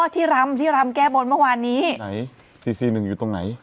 ที่รำที่รำแก้บนเมื่อวานนี้ไหนสี่สี่หนึ่งอยู่ตรงไหน